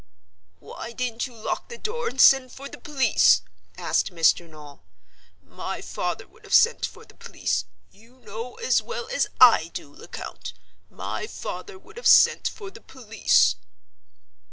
"Why didn't you lock the door and send for the police?" asked Mr. Noel. "My father would have sent for the police. You know, as well as I do, Lecount, my father would have sent for the police."